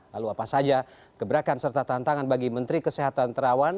lalu apa saja gebrakan serta tantangan bagi menteri kesehatan terawan